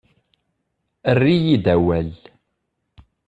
Err-iyi-d awal.